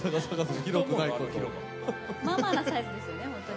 まあまあなサイズですね。